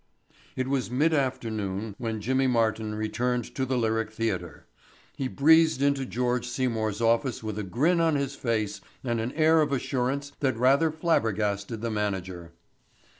It was mid afternoon when Jimmy Martin returned to the Lyric Theatre. He breezed into George Seymour's office with a grin on his face and an air of assurance that rather flabbergasted the manager.